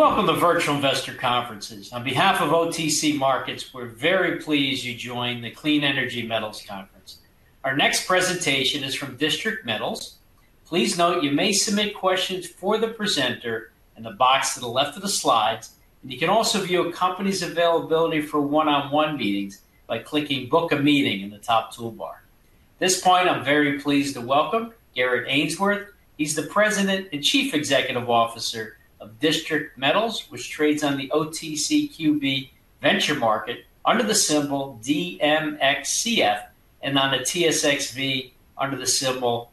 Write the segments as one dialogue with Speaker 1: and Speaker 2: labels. Speaker 1: Welcome to Virtual Investor Conferences. On behalf of OTC Markets, we're very pleased you joined the Clean Energy Metals Conference. Our next presentation is from District Metals. Please note you may submit questions for the presenter in the box to the left of the slides, and you can also view a company's availability for one-on-one meetings by clicking "Book a Meeting" in the top toolbar. At this point, I'm very pleased to welcome Garrett Ainsworth. He's the President and Chief Executive Officer of District Metals, which trades on the OTCQB Venture Market under the symbol DMXCF and on the TSX Venture Exchange under the symbol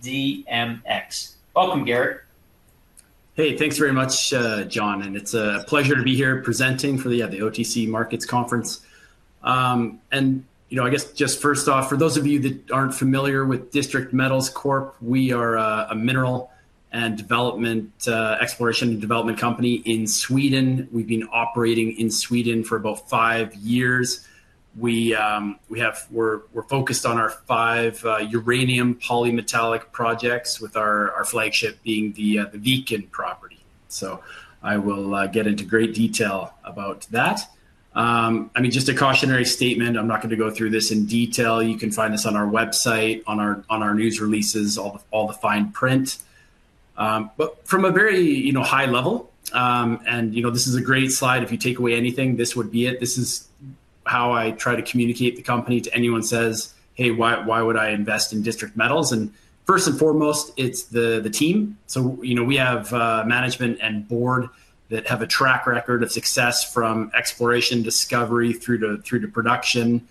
Speaker 1: DMX. Welcome, Garrett.
Speaker 2: Hey, thanks very much, John, and it's a pleasure to be here presenting for the OTC Markets Conference. For those of you that aren't familiar with District Metals Corp., we are a mineral exploration and development company in Sweden. We've been operating in Sweden for about five years. We're focused on our five uranium polymetallic projects, with our flagship being the Deakin property. I will get into great detail about that. Just a cautionary statement, I'm not going to go through this in detail. You can find this on our website, on our news releases, all the fine print. From a very high level, this is a great slide. If you take away anything, this would be it. This is how I try to communicate the company to anyone who says, "Hey, why would I invest in District Metals?" First and foremost, it's the team. We have management and board that have a track record of success from exploration, discovery, through to production,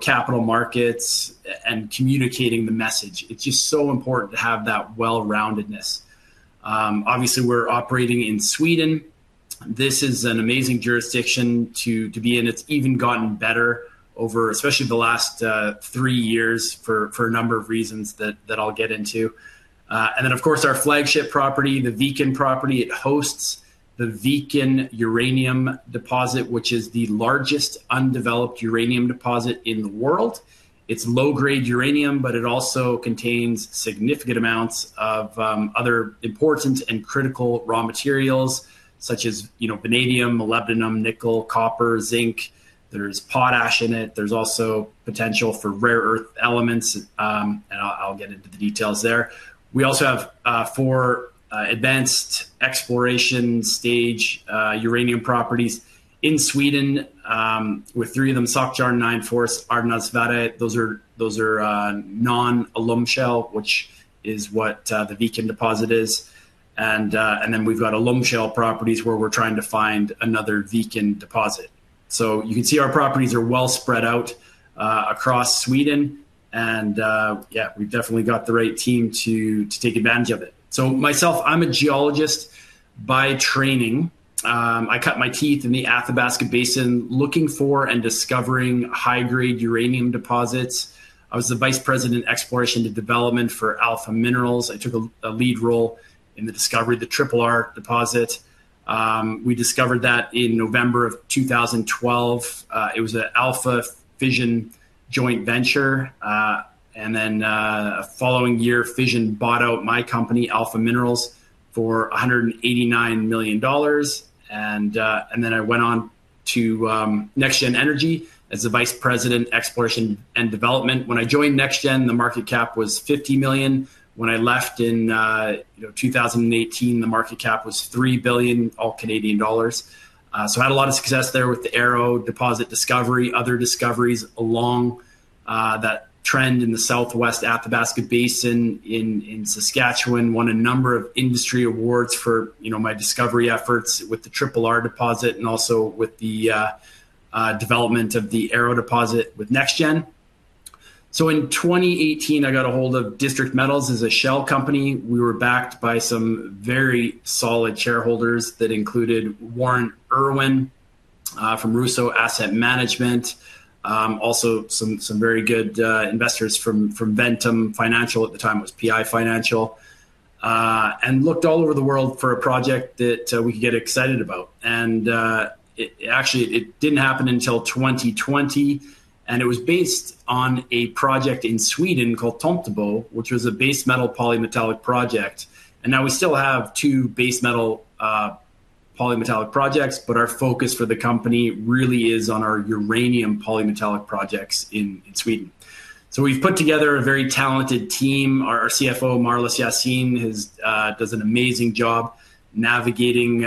Speaker 2: capital markets, and communicating the message. It's just so important to have that well-roundedness. Obviously, we're operating in Sweden. This is an amazing jurisdiction to be in. It's even gotten better over, especially the last three years, for a number of reasons that I'll get into. Of course, our flagship property, the Deakin property, hosts the Deakin Uranium Deposit, which is the largest undeveloped uranium deposit in the world. It's low-grade uranium, but it also contains significant amounts of other important and critical raw materials, such as vanadium, molybdenum, nickel, copper, zinc. There's potash in it. There's also potential for rare earth elements, and I'll get into the details there. We also have four advanced exploration stage uranium properties in Sweden, with three of them: Sågtjärn, Nianfors, Ardnasvarre. Those are non-alum shale, which is what the Deakin deposit is. We've got alum shale properties where we're trying to find another Deakin deposit. You can see our properties are well spread out across Sweden, and we've definitely got the right team to take advantage of it. Myself, I'm a geologist by training. I cut my teeth in the Athabasca Basin looking for and discovering high-grade uranium deposits. I was the Vice President of Exploration and Development for Alpha Minerals. I took a lead role in the discovery of the Triple R Deposit. We discovered that in November of 2012. It was an Alpha Fission joint venture. The following year, Fission bought out my company, Alpha Minerals, for 189 million dollars. I went on to NextGen Energy as the Vice President of Exploration and Development. When I joined NextGen, the market cap was 50 million. When I left in 2018, the market cap was 3 billion, all Canadian dollars. I had a lot of success there with the Arrow deposit discovery, other discoveries along that trend in the southwest Athabasca Basin in Saskatchewan. I won a number of industry awards for my discovery efforts with the Triple R Deposit and also with the development of the Arrow deposit with NextGen. In 2018, I got a hold of District Metals as a shell company. We were backed by some very solid shareholders that included Warren Irwin from Russo Asset Management, also some very good investors from Ventum Financial. At the time, it was PI Financial. I looked all over the world for a project that we could get excited about. It didn't happen until 2020, and it was based on a project in Sweden called Tomtebo, which was a base metal polymetallic project. We still have two base metal polymetallic projects, but our focus for the company really is on our uranium polymetallic projects in Sweden. We've put together a very talented team. Our CFO, Marlis Yassin, does an amazing job navigating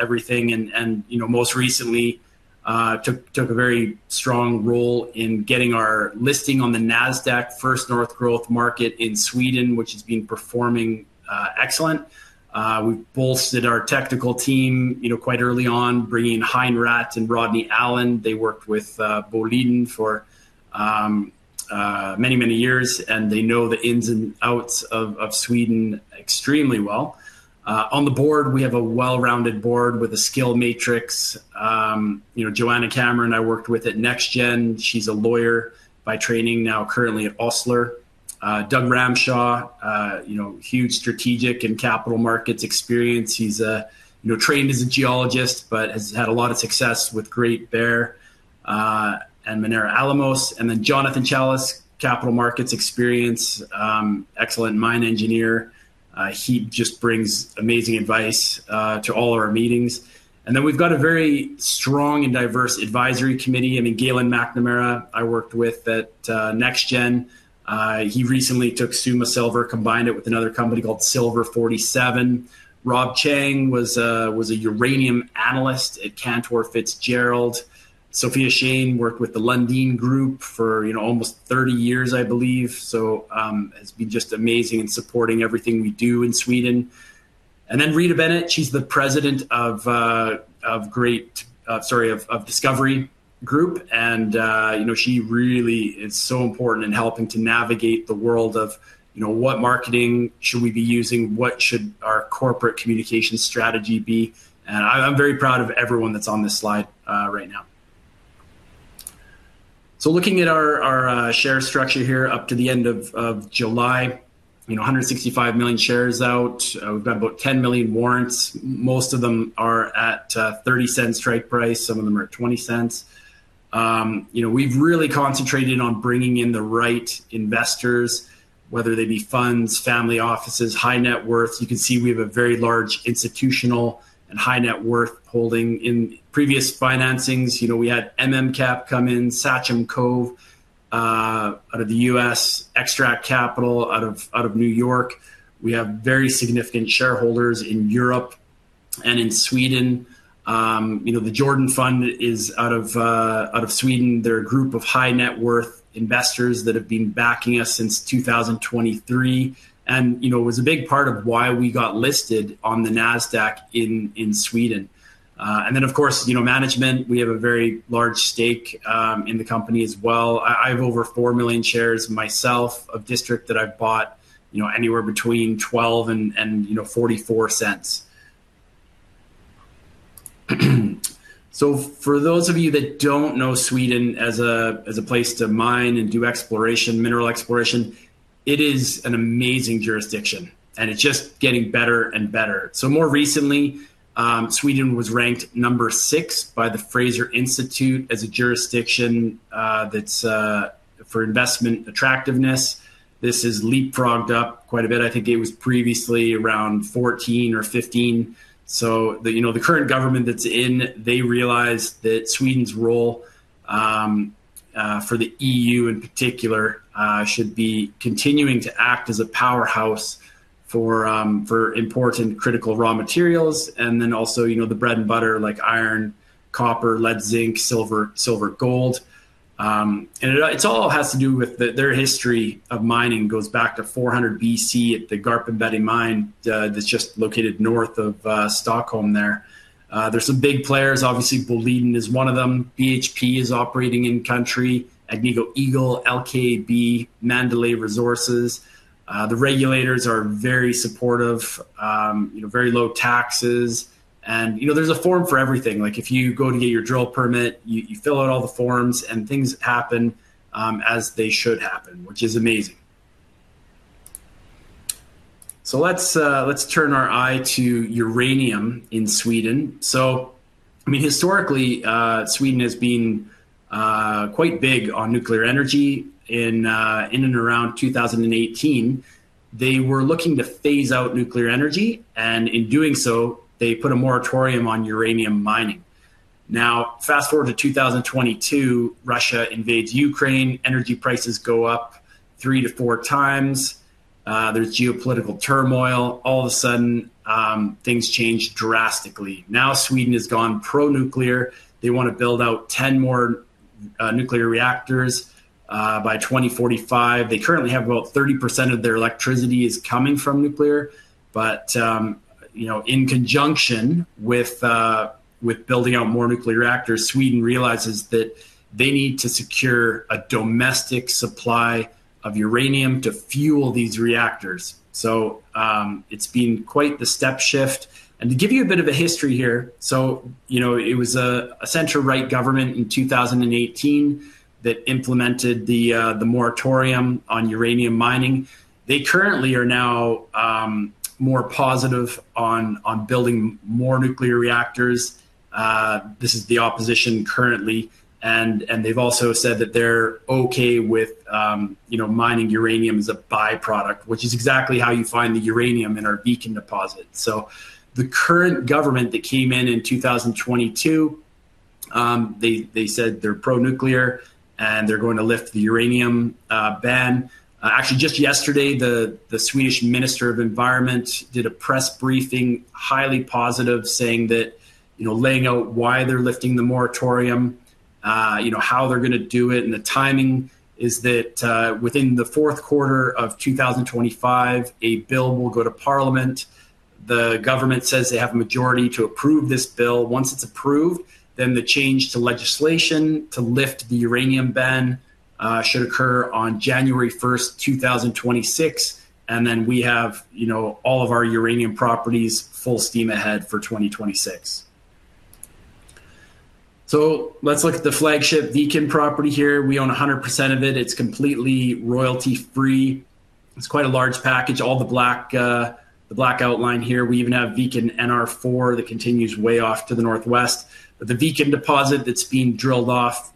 Speaker 2: everything and most recently took a very strong role in getting our listing on the Nasdaq First North Growth Market in Sweden, which has been performing excellent. We bolstered our technical team quite early on, bringing in Hein Raat and Rodney Allen. They worked with Boliden for many, many years, and they know the ins and outs of Sweden extremely well. On the board, we have a well-rounded board with a skill matrix. Joanna Cameron, I worked with at NextGen. She's a lawyer by training, now currently at Osler. Doug Ramshaw, huge strategic and capital markets experience. He's trained as a geologist, but has had a lot of success with Great Bear and Minera Alamos. [Jonathan Chelis], capital markets experience, excellent mine engineer. He just brings amazing advice to all of our meetings. We've got a very strong and diverse advisory committee. Galen McNamara, I worked with at NextGen. He recently took Suma Silver, combined it with another company called Silver 47. Rob Chang was a uranium analyst at Cantor Fitzgerald. Sophia Shane worked with the Lundin Group for almost 30 years, I believe. It's been just amazing in supporting everything we do in Sweden. Rita Bennett, she's the President of Great Discovery Group, and she really is so important in helping to navigate the world of what marketing should we be using, what should our corporate communication strategy be. I'm very proud of everyone that's on this slide right now. Looking at our share structure here up to the end of July, 165 million shares out. We've got about 10 million warrants. Most of them are at $0.30 strike price. Some of them are at $0.20. We've really concentrated on bringing in the right investors, whether they be funds, family offices, high net worth. You can see we have a very large institutional and high net worth holding in previous financings. We had Cap come in, Satchem Cove out of the U.S., Extract Capital out of New York. We have very significant shareholders in Europe and in Sweden. The Jordan Fund is out of Sweden. They're a group of high net worth investors that have been backing us since 2023, and was a big part of why we got listed on the Nasdaq First North Growth Market in Sweden. Of course, management, we have a very large stake in the company as well. I have over 4 million shares myself of District Metals that I've bought anywhere between $0.12-$0.44. For those of you that don't know Sweden as a place to mine and do exploration, mineral exploration, it is an amazing jurisdiction, and it's just getting better and better. More recently, Sweden was ranked number six by the Fraser Institute as a jurisdiction that's for investment attractiveness. This has leapfrogged up quite a bit. I think it was previously around 14 or 15. The current government that's in, they realize that Sweden's role for the EU in particular should be continuing to act as a powerhouse for important critical raw materials, and also the bread and butter like iron, copper, lead, zinc, silver, gold. It all has to do with their history of mining. It goes back to 400 BC at the Garbemedda mine, that's just located north of Stockholm there. There are some big players, obviously Boliden is one of them. BHP is operating in-country. Agnico Eagle, LKAB, Mandalay Resources. The regulators are very supportive, you know, very low taxes, and you know, there's a form for everything. If you go to get your drill permit, you fill out all the forms, and things happen as they should happen, which is amazing. Let's turn our eye to uranium in Sweden. Historically, Sweden has been quite big on nuclear energy. In and around 2018, they were looking to phase out nuclear energy, and in doing so, they put a moratorium on uranium mining. Fast forward to 2022, Russia invades Ukraine. Energy prices go up three to four times. There's geopolitical turmoil. All of a sudden, things change drastically. Now Sweden has gone pro-nuclear. They want to build out 10 more nuclear reactors by 2045. They currently have about 30% of their electricity coming from nuclear, but in conjunction with building out more nuclear reactors, Sweden realizes that they need to secure a domestic supply of uranium to fuel these reactors. It's been quite the step shift. To give you a bit of a history here, it was a center-right government in 2018 that implemented the moratorium on uranium mining. They currently are now more positive on building more nuclear reactors. This is the opposition currently, and they've also said that they're okay with mining uranium as a byproduct, which is exactly how you find the uranium in our Deakin deposit. The current government that came in in 2022 said they're pro-nuclear, and they're going to lift the uranium ban. Actually, just yesterday, the Swedish Minister of Environment did a press briefing highly positive, saying that, you know, laying out why they're lifting the moratorium, how they're going to do it, and the timing is that within the fourth quarter of 2025, a bill will go to Parliament. The government says they have a majority to approve this bill. Once it's approved, then the change to legislation to lift the uranium ban should occur on January 1st, 2026. We have all of our uranium properties full steam ahead for 2026. Let's look at the flagship Deakin property here. We own 100% of it. It's completely royalty-free. It's quite a large package. All the black outline here, we even have Deakin NR4 that continues way off to the northwest. The Deakin deposit that's being drilled off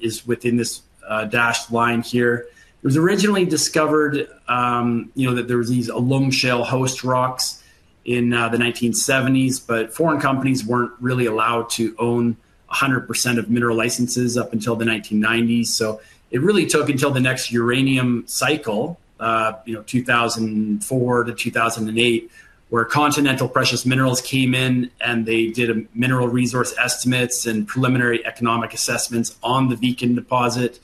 Speaker 2: is within this dashed line here. It was originally discovered, you know, that there were these alum shale host rocks in the 1970s, but foreign companies weren't really allowed to own 100% of mineral licenses up until the 1990s. It really took until the next uranium cycle, you know, 2004-2008, where Continental Precious Minerals came in and they did mineral resource estimates and preliminary economic assessments on the Deakin Uranium Deposit.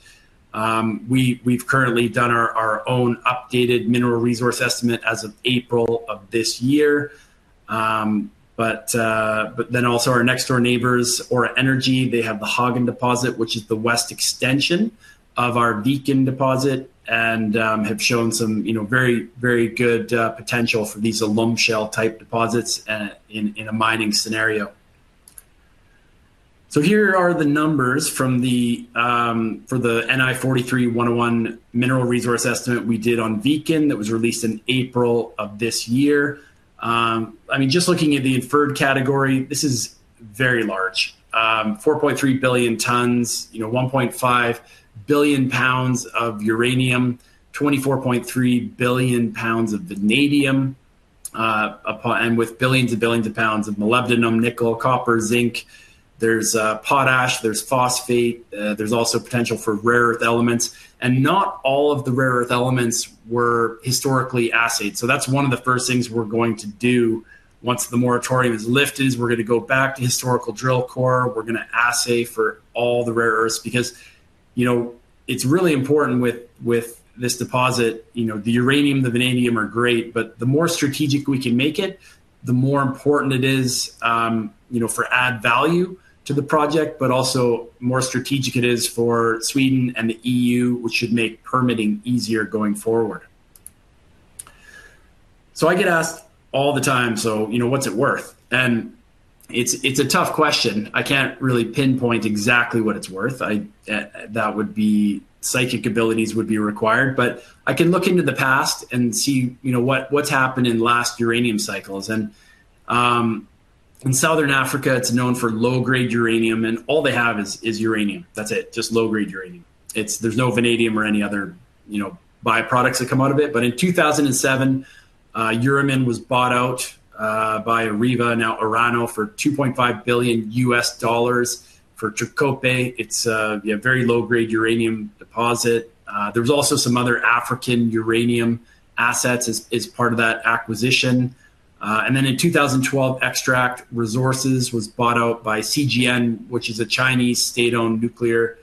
Speaker 2: We've currently done our own updated mineral resource estimate as of April of this year. Our next-door neighbors, Aura Energy, have the Häggån deposit, which is the west extension of our Deakin Uranium Deposit, and have shown some, you know, very, very good potential for these alum shale type deposits in a mining scenario. Here are the numbers from the NI 43-101 mineral resource estimate we did on Deakin that was released in April of this year. Just looking at the inferred category, this is very large: 4.3 billion tons, 1.5 billion pounds of uranium, 24.3 billion pounds of vanadium, and with billions and billions of pounds of molybdenum, nickel, copper, zinc. There's potash, there's phosphate. There's also potential for rare earth elements, and not all of the rare earth elements were historically assayed. That's one of the first things we're going to do once the uranium mining moratorium is lifted. We're going to go back to historical drill core. We're going to assay for all the rare earths because, you know, it's really important with this deposit. The uranium, the vanadium are great, but the more strategic we can make it, the more important it is for adding value to the project, but also the more strategic it is for Sweden and the EU, which should make permitting easier going forward. I get asked all the time, what's it worth? It's a tough question. I can't really pinpoint exactly what it's worth. That would be psychic abilities would be required, but I can look into the past and see what's happened in the last uranium cycles. In Southern Africa, it's known for low-grade uranium, and all they have is uranium. That's it. Just low-grade uranium. There's no vanadium or any other byproducts that come out of it. In 2007, Uramin was bought out by Areva, now Orano, for $2.5 billion for Trekkopje. It's a very low-grade uranium deposit. There were also some other African uranium assets as part of that acquisition. In 2012, Extract Resources was bought out by CGN, which is a Chinese state-owned nuclear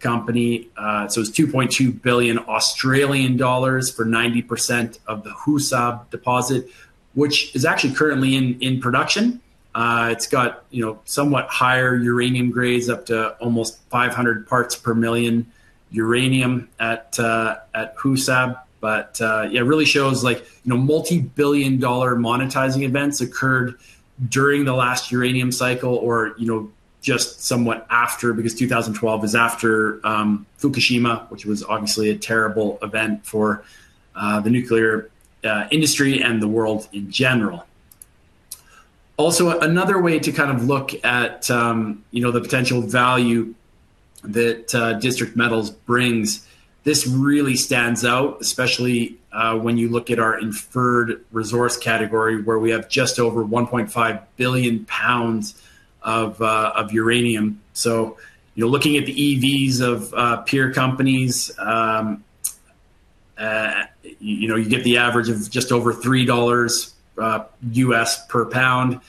Speaker 2: company. It was 2.2 billion Australian dollars for 90% of the Husab deposit, which is actually currently in production. It's got somewhat higher-uranium grades, up to almost 500 parts per million uranium at Husab. It really shows multi-billion dollar monetizing events occurred during the last uranium cycle or just somewhat after, because 2012 is after Fukushima, which was obviously a terrible event for the nuclear industry and the world in general. Another way to look at the potential value that District Metals brings, this really stands out, especially when you look at our inferred resource category where we have just over 1.5 billion pounds of uranium. Looking at the EVs of peer companies, you get the average of just over $3 per pound.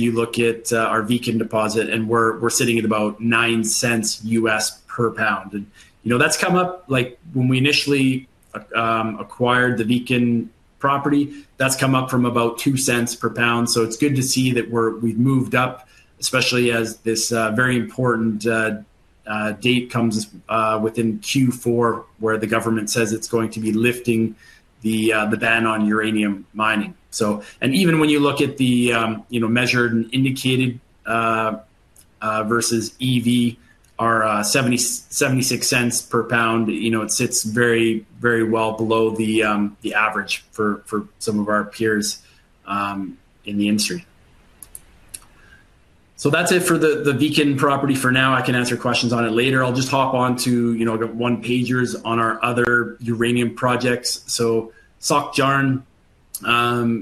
Speaker 2: You look at our Deakin Uranium Deposit, and we're sitting at about $0.09 per pound. That's come up; when we initially acquired the Deakin property, that's come up from about $0.02 per pound. It's good to see that we've moved up, especially as this very important date comes within Q4 where the government says it's going to be lifting the ban on uranium mining. Even when you look at the measured and indicated versus EV, our $0.76 per pound sits very, very well below the average for some of our peers in the industry. That's it for the Deakin property for now. I can answer questions on it later. I'll just hop on to one-pagers on our other uranium projects. Sågtjärn,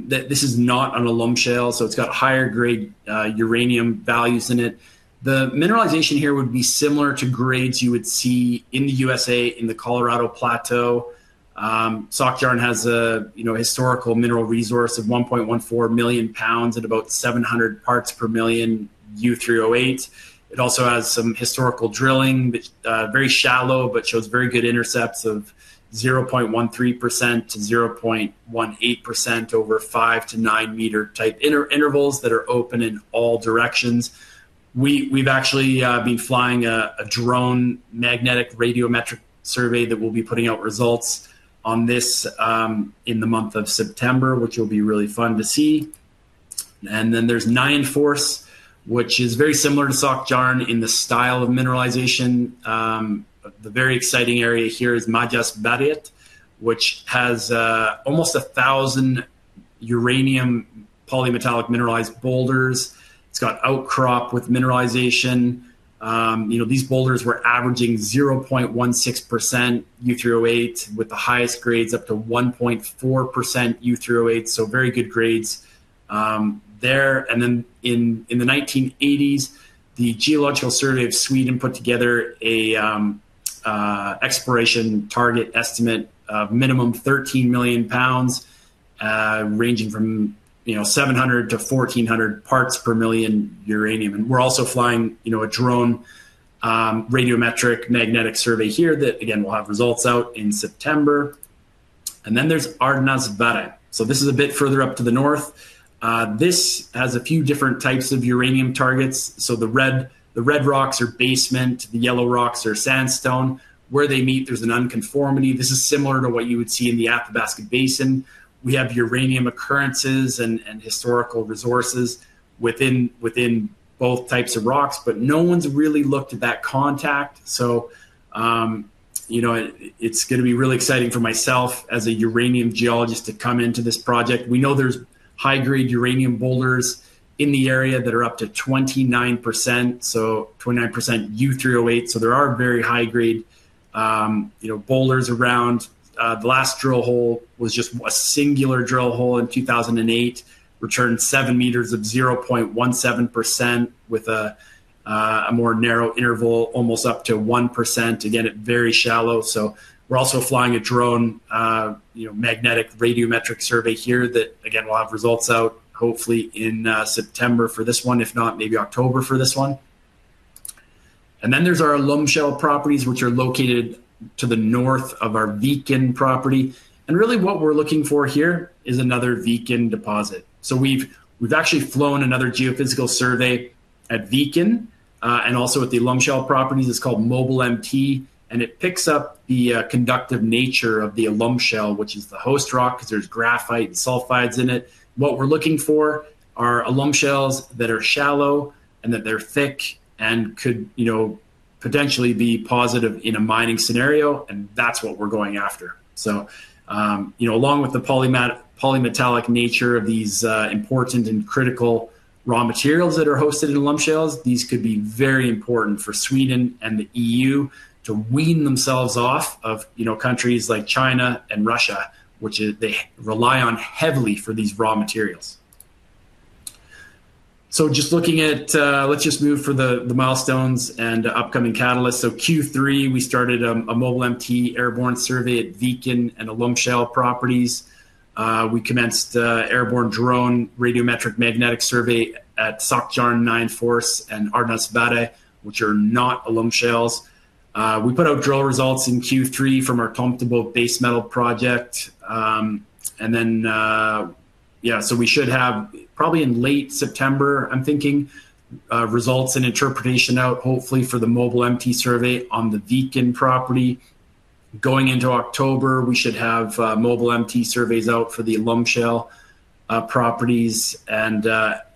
Speaker 2: this is not an alum shale, so it's got higher-grade uranium values in it. The mineralization here would be similar to grades you would see in the USA in the Colorado Plateau. Sågtjärn has a historical mineral resource of 1.14 million pounds at about 700 parts per million U3O8. It also has some historical drilling, very shallow, but shows very good intercepts of 0.13%-0.18% over 5 m-9 m type intervals that are open in all directions. We've actually been flying a drone magnetic radiometric survey that we'll be putting out results on in the month of September, which will be really fun to see. There is Nianfors, which is very similar to Sågtjärn in the style of mineralization. The very exciting area here is Majest Barriet, which has almost a thousand uranium polymetallic mineralized boulders. It's got outcrop with mineralization. These boulders were averaging 0.16% U3O8 with the highest grades up to 1.4% U3O8. Very good grades there. In the 1980s, the Geological Survey of Sweden put together an exploration target estimate of minimum 13 million pounds, ranging from 700 parts-1,400 parts per million uranium. We're also flying a drone radiometric magnetic survey here that we'll have results out in September. There's Arnasverde. This is a bit further up to the north. This has a few different types of uranium targets. The red rocks are basement, the yellow rocks are sandstone. Where they meet, there's an unconformity. This is similar to what you would see in the Athabasca Basin. We have uranium occurrences and historical resources within both types of rocks, but no one's really looked at that contact. It's going to be really exciting for myself as a uranium geologist to come into this project. We know there's high-grade uranium boulders in the area that are up to 29%, so 29% U3O8. There are very high-grade boulders around. The last drill hole was just a singular drill hole in 2008, returned seven meters of 0.17% with a more narrow interval, almost up to 1%. It's very shallow. We're also flying a drone magnetic radiometric survey here that we'll have results out hopefully in September for this one. If not, maybe October for this one. There's our alum shale properties, which are located to the north of our Deakin property. What we're looking for here is another Deakin deposit. We've actually flown another geophysical survey at Deakin and also at the alum shale properties. It's called Mobile MT, and it picks up the conductive nature of the alum shale, which is the host rock, because there's graphite sulfides in it. What we're looking for are alum shales that are shallow and that they're thick and could potentially be positive in a mining scenario, and that's what we're going after. Along with the polymetallic nature of these important and critical raw materials that are hosted in alum shales, these could be very important for Sweden and the EU to wean themselves off of countries like China and Russia, which they rely on heavily for these raw materials. Just looking at, let's move for the milestones and upcoming catalysts. In Q3, we started a Mobile MT airborne survey at Deakin and alum shale properties. We commenced airborne drone radiometric magnetic survey at Sågtjärn, Nianfors, and Arnasverde, which are not alum shales. We put out drill results in Q3 from our Tomtebo base metal project. We should have probably in late September, I'm thinking, results and interpretation out hopefully for the Mobile MT survey on the Deakin property. Going into October, we should have Mobile MT surveys out for the alum shale properties, and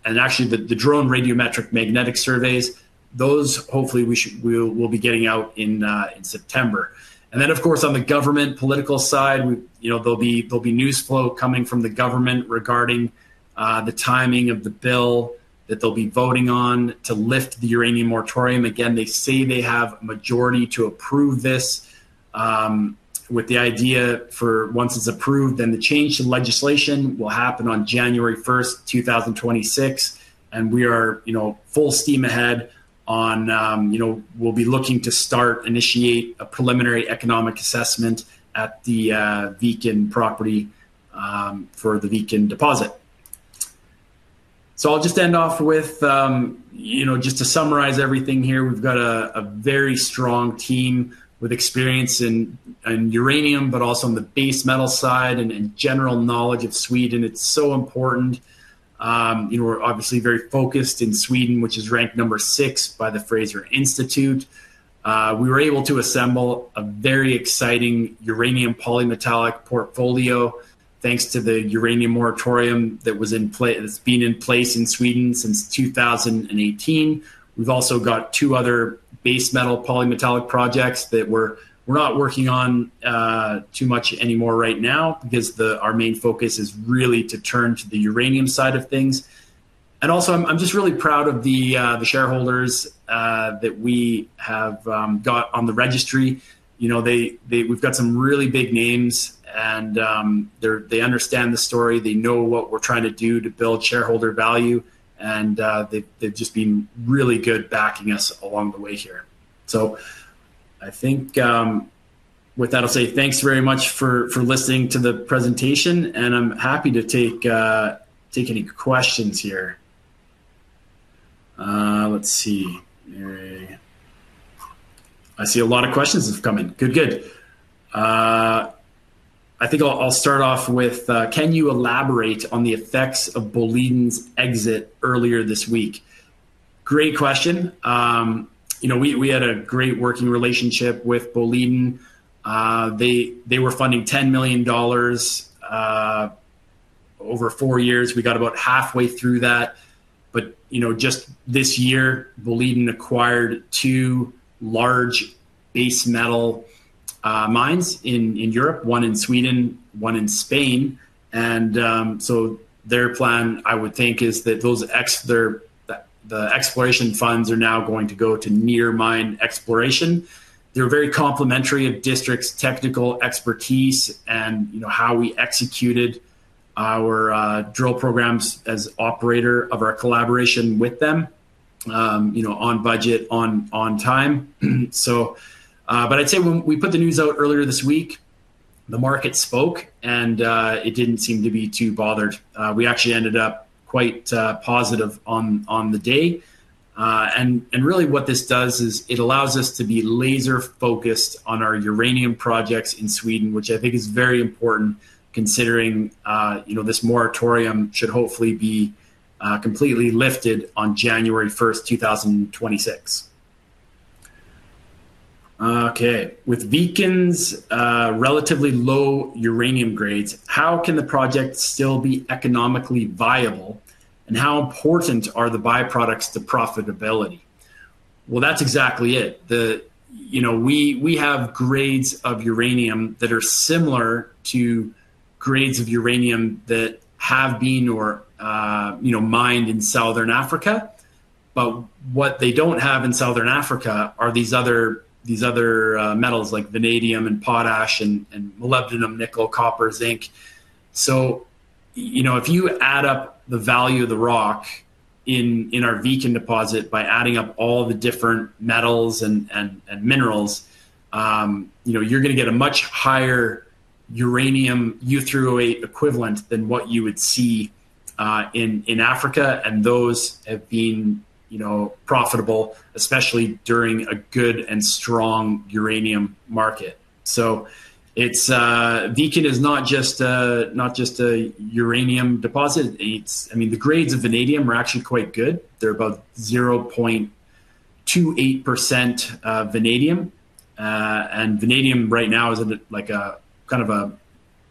Speaker 2: actually the drone radiometric magnetic surveys. Those hopefully we'll be getting out in September. On the government political side, there will be news flow coming from the government regarding the timing of the bill that they'll be voting on to lift the uranium mining moratorium. They say they have a majority to approve this with the idea for once it's approved, then the change to legislation will happen on January 1, 2026. We are full steam ahead on, we'll be looking to start initiating a preliminary economic assessment at the Deakin property for the Deakin Uranium Deposit. I'll just end off with, just to summarize everything here, we've got a very strong team with experience in uranium, but also on the base metal side and general knowledge of Sweden. It's so important. We're obviously very focused in Sweden, which is ranked number 6 by the Fraser Institute. We were able to assemble a very exciting uranium polymetallic portfolio thanks to the uranium mining moratorium that's been in place in Sweden since 2018. We've also got two other base metal polymetallic projects that we're not working on too much anymore right now because our main focus is really to turn to the uranium side of things. I'm just really proud of the shareholders that we have got on the registry. We've got some really big names, and they understand the story. They know what we're trying to do to build shareholder value, and they've just been really good backing us along the way here. With that, I'll say thanks very much for listening to the presentation, and I'm happy to take any questions here. Let's see. I see a lot of questions have come in. Good, good. I'll start off with, can you elaborate on the effects of Boliden's exit earlier this week? Great question. You know, we had a great working relationship with Boliden. They were funding $10 million over four years. We got about halfway through that. Just this year, Boliden acquired two large base metal mines in Europe, one in Sweden, one in Spain. I would think that the exploration funds are now going to go to near mine exploration. They're very complimentary of District's technical expertise and how we executed our drill programs as operator of our collaboration with them, on budget, on time. I'd say when we put the news out earlier this week, the market spoke, and it didn't seem to be too bothered. We actually ended up quite positive on the day. What this does is it allows us to be laser-focused on our uranium projects in Sweden, which I think is very important considering this moratorium should hopefully be completely lifted on January 1, 2026. Okay, with Deakin's relatively low uranium grades, how can the project still be economically viable? How important are the byproducts to profitability? That's exactly it. We have grades of uranium that are similar to grades of uranium that have been or mined in Southern Africa. What they don't have in Southern Africa are these other metals like vanadium and potash and molybdenum, nickel, copper, zinc. If you add up the value of the rock in our Deakin Uranium Deposit by adding up all the different metals and minerals, you're going to get a much higher uranium U3O8 equivalent than what you would see in Africa. Those have been profitable, especially during a good and strong uranium market. Deakin is not just a uranium deposit. The grades of vanadium are actually quite good. They're about 0.28% vanadium. Vanadium right now is in a kind of a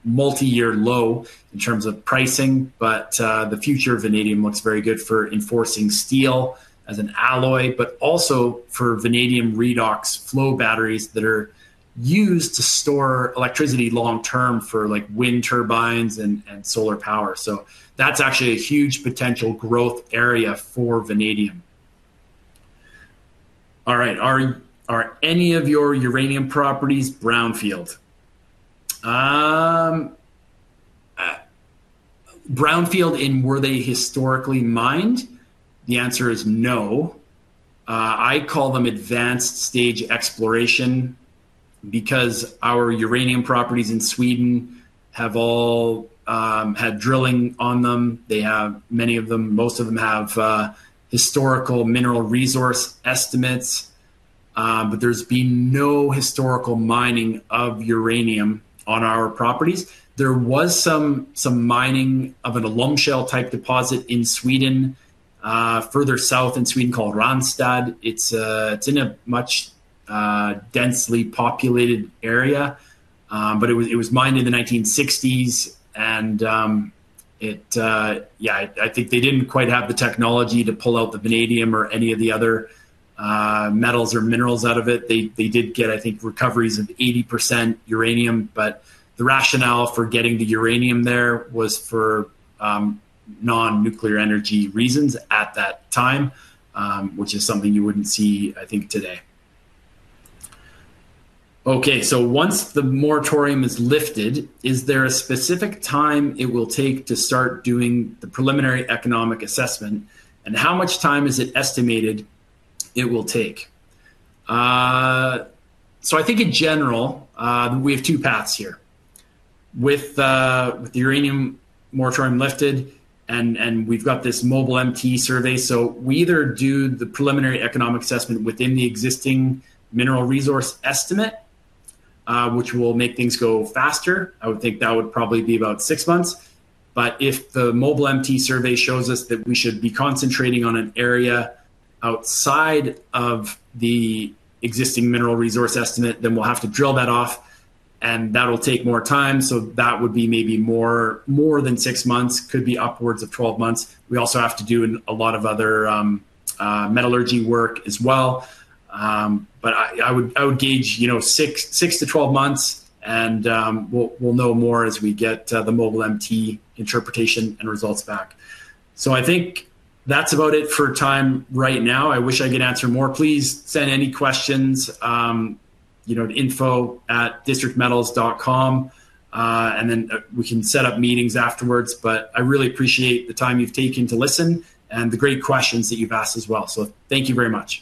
Speaker 2: multi-year low in terms of pricing. The future of vanadium looks very good for enforcing steel as an alloy, but also for vanadium redox flow batteries that are used to store electricity long-term for wind turbines and solar power. That's actually a huge potential growth area for vanadium. All right, are any of your uranium properties brownfield? Brownfield in where they historically mined? The answer is no. I call them advanced stage exploration because our uranium properties in Sweden have all had drilling on them. They have many of them, most of them have historical mineral resource estimates. There's been no historical mining of uranium on our properties. There was some mining of an alum shale type deposit in Sweden, further south in Sweden called Ranstad. It's in a much more densely populated area. It was mined in the 1960s. I think they didn't quite have the technology to pull out the vanadium or any of the other metals or minerals out of it. They did get, I think, recoveries of 80% uranium. The rationale for getting the uranium there was for non-nuclear energy reasons at that time, which is something you wouldn't see, I think, today. Once the uranium mining moratorium is lifted, is there a specific time it will take to start doing the preliminary economic assessment? How much time is it estimated it will take? I think in general, we have two paths here. With the uranium mining moratorium lifted, and we've got this Mobile MT survey, we either do the preliminary economic assessment within the existing mineral resource estimate, which will make things go faster. I would think that would probably be about six months. If the Mobile MT survey shows us that we should be concentrating on an area outside of the existing mineral resource estimate, then we'll have to drill that off. That'll take more time. That would be maybe more than six months, could be upwards of 12 months. We also have to do a lot of other metallurgy work as well. I would gauge, you know, six to 12 months, and we'll know more as we get the Mobile MT interpretation and results back. I think that's about it for time right now. I wish I could answer more. Please send any questions to info@districtmetals.com. We can set up meetings afterwards. I really appreciate the time you've taken to listen and the great questions that you've asked as well. Thank you very much.